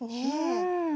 うん。